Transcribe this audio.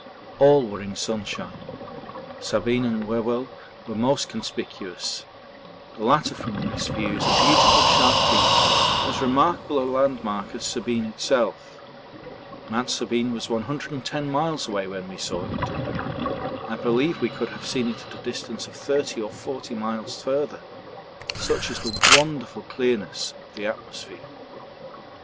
All were in sunshine; Sabine and Whewell were most conspicuous the latter from this view is a beautiful sharp peak, as remarkable a landmark as Sabine itself. Mount Sabine was 110 miles away when we saw it. I believe we could have seen it at a distance of 30 or 40 miles farther such is the wonderful clearness of the atmosphere.